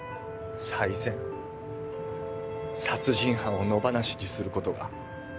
殺人犯を野放しにすることが？